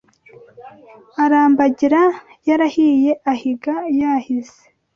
Arambagira yarahiye Ahiga yahize